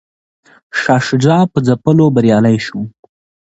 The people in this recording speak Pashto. شاه شجاع په ځپلو بریالی شو.